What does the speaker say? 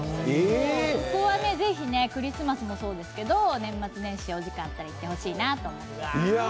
ここは是非クリスマスもそうですけど年末年始、お時間とって行ってほしいなと思います。